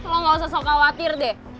lo gak usah khawatir deh